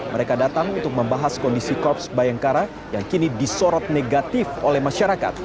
mereka datang untuk membahas kondisi korps bayangkara yang kini disorot negatif oleh masyarakat